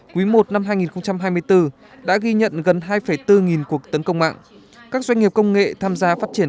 quý i năm hai nghìn hai mươi bốn đã ghi nhận gần hai bốn nghìn cuộc tấn công mạng các doanh nghiệp công nghệ tham gia phát triển